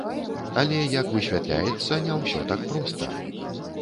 Але, як высвятляецца, не ўсё так проста.